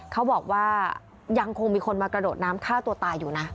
เขาบอกว่ายังคงมีคนมากระโดดน้ำฆ่าตัวตายอยู่นะ